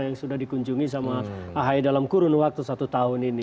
yang sudah dikunjungi sama ahy dalam kurun waktu satu tahun ini